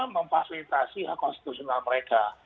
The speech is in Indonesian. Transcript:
memfasilitasi hak konstitusional mereka